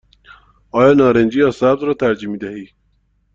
آیا نارنجی یا سبز را ترجیح می دهی؟